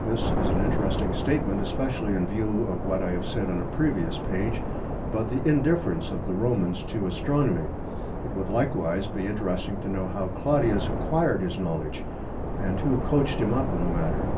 This is an interesting statement, especially in view of what I have said on a previous page about the indifference of the Romans to Astronomy. It would, likewise, be interesting to know how Claudius acquired his knowledge, and who coached him up in the matter.